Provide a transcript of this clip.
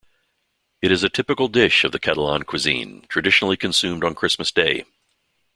It is a typical dish of the Catalan cuisine, traditionally consumed on Christmas day.